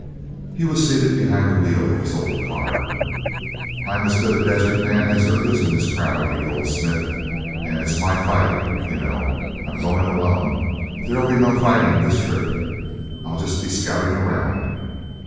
He was seated behind the wheel of his old car. "I'm as good a desert man as there is in this crowd," he told Smith. "And it's my fight, you know. I'm going alone. But there'll be no fighting this trip; I'll just be scouting around."